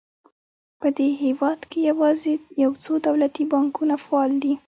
په دې هېواد کې یوازې یو څو دولتي بانکونه فعال دي.